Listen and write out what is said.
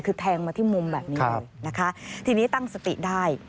คือแทงมาที่มุมแบบนี้เลยนะคะทีนี้ตั้งสติได้